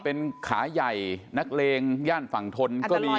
เป็นขาใหญ่นักเลงย่านฝั่งทนก็มี